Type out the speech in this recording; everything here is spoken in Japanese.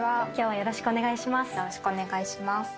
よろしくお願いします。